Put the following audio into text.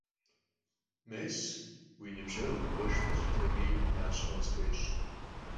Mês, vui nıbjeğu vui khueşş pelhıtemi naşhe khısxuêş'.